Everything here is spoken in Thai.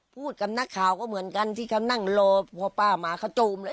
พูดกับนักข่าวก็เหมือนกันที่เขานั่งรอพอป้ามาเขาจูมเลย